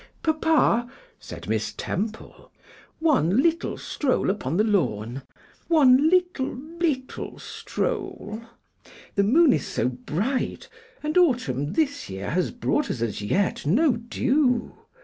'Papa,' said Miss Temple, 'one little stroll upon the lawn; one little, little stroll. The moon is so bright; and autumn, this year, has brought us as yet no dew.